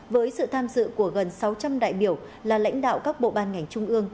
với sự tham dự của gần sáu trăm linh đại biểu là lãnh đạo các bộ ban ngành trung ương